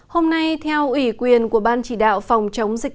hôm nay theo ủy quyền của ban chỉ đạo phòng chống dịch